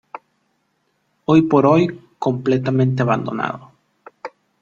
Hoy por hoy, completamente abandonado.